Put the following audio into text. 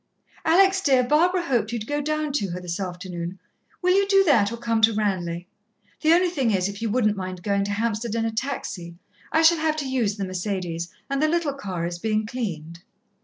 "Alex, dear, Barbara hoped you'd go down to her this afternoon. Will you do that, or come to Ranelagh? The only thing is, if you wouldn't mind going to Hampstead in a taxi? I shall have to use the Mercédès, and the little car is being cleaned."